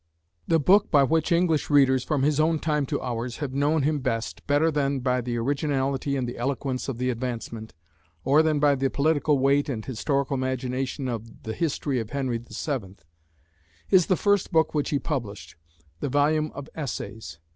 The book by which English readers, from his own time to ours, have known him best, better than by the originality and the eloquence of the Advancement, or than by the political weight and historical imagination of the History of Henry VII., is the first book which he published, the volume of Essays.